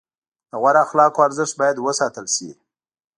د غوره اخلاقو ارزښت باید وساتل شي.